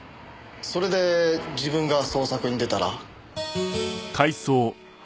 それで自分が捜索に出たら。